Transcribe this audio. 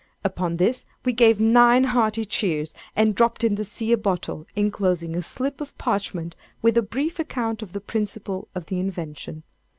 Upon this we gave nine hearty cheers, and dropped in the sea a bottle, enclosing a slip of parchment with a brief account of the principle of the invention.